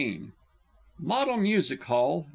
_ MODEL MUSIC HALL.